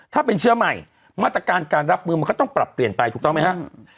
ถ้าเป็นเชื้อใหม่มาตรการการรับมือมันก็ต้องปรับเปลี่ยนไปถูกต้องไหมฮะ